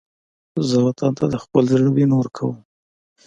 زه وطن ته د خپل زړه وینه ورکوم